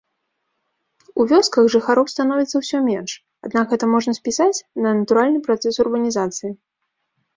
У вёсках жыхароў становіцца ўсё менш, аднак гэта можна спісаць на натуральны працэс урбанізацыі.